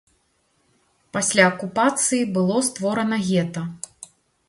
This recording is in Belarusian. Пасля акупацыі было створана гета.